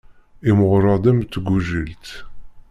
Imɣureɣ-d am tgujilt.